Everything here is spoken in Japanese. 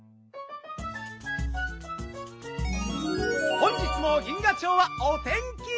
本日も銀河町はお天気！